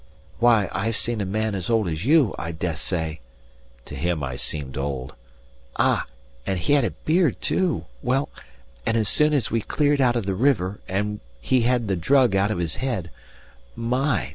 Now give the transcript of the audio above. Why, I've seen a man as old as you, I dessay" (to him I seemed old) "ah, and he had a beard, too well, and as soon as we cleared out of the river, and he had the drug out of his head my!